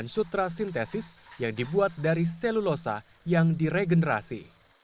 sutra sintesis yang dibuat dari selulosa yang diregenerasi